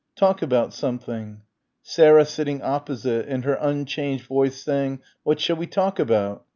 "talk about something" ... Sarah sitting opposite and her unchanged voice saying "What shall we talk about?"